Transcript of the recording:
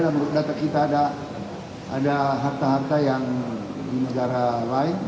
dan menurut data kita ada harta harta yang di negara lain